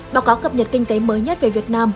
báo cáo cập nhật kinh tế mới nhất về việt nam